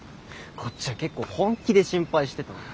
こっちは結構本気で心配してたのに。